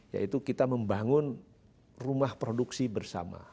yaitu kita membangun rumah produksi bersama